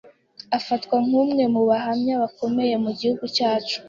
Afatwa nk'umwe mu bahanga bakomeye mu gihugu cyacu.